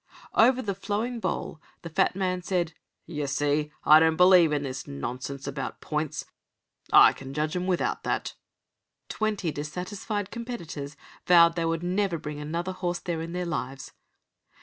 Over the flowing bowl the fat man said: "You see, I don't believe in this nonsense about points. I can judge 'em without that." Twenty dissatisfied competitors vowed they would never bring another horse there in their lives.